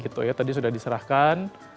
tadi sudah diserahkan